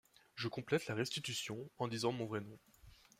Je complète la restitution en disant mon vrai nom.